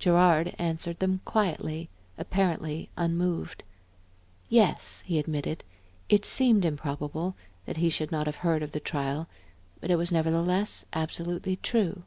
Gerard answered them quietly, apparently unmoved. Yes, he admitted, it seemed improbable that he should not have heard of the trial, but it was nevertheless absolutely true.